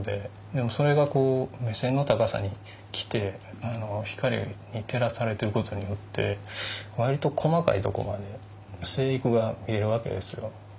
でもそれが目線の高さに来て光に照らされてる事によって割と細かいとこまで生育が見れる訳ですよ。